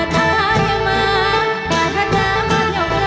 หลังให้เจ้ามาเยอะมา